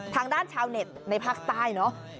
ทางด้านชาวเน็ตในภาคใต้เนาะ